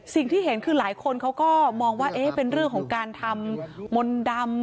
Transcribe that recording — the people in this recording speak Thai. สิ่งที่เห็นคือหลายคนเขาก็มองว่าเป็นเรื่องของการทำมนต์ดำ